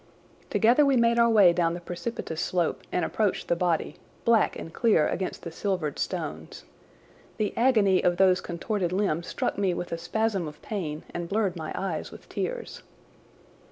Together we made our way down the precipitous slope and approached the body, black and clear against the silvered stones. The agony of those contorted limbs struck me with a spasm of pain and blurred my eyes with tears.